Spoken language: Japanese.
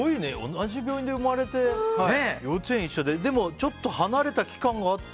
同じ病院で生まれて幼稚園一緒ででも離れてた期間があって？